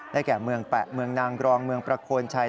ได้ก็แบบเมืองแปะเมืองนางรองเมืองประโคนชาย